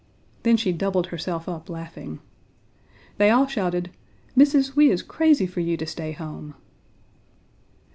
Then she doubled herself up laughing. They all shouted, "Missis, we is crazy for you to stay home."